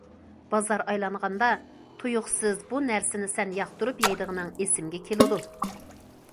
بازار ئايلانغاندا، تۇيۇقسىز بۇ نەرسىنى سەن ياقتۇرۇپ يەيدىغىنىڭ ئېسىمگە كېلىدۇ.